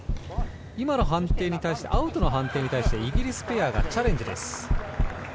今のアウトの判定に対してイギリスペアがチャレンジです。